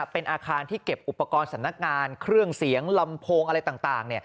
เป็นอาคารที่เก็บอุปกรณ์สำนักงานเครื่องเสียงลำโพงอะไรต่าง